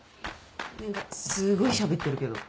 何かすごいしゃべってるけど。